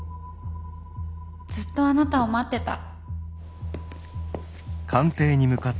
ずっとあなたを待ってた。